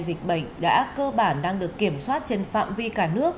dịch bệnh đã cơ bản đang được kiểm soát trên phạm vi cả nước